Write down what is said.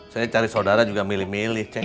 saya cari sodara juga milih milih cek